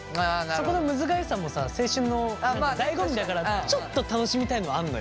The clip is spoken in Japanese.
そこのむずがゆさも青春のだいご味だからちょっと楽しみたいのはあんのよ。